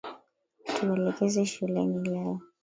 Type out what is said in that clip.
Tuelekeze shuleni leo.